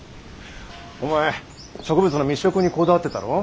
お前植物の密植にこだわってたろ。